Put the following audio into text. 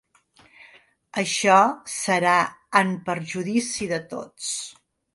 Això serà en perjudici de tots.